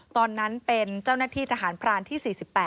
ตอนนั้นเป็นเจ้าหน้าที่ทหารพรานที่๔๘